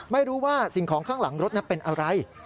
ไม่รู้ว่าสิ่งของข้างหลังรถนั้นเป็นอะไร